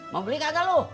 mau beli kakak lu